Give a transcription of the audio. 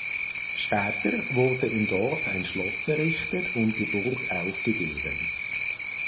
Später wurde im Dorf ein Schloss errichtet und die Burg aufgegeben.